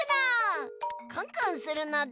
コンコンするのだ。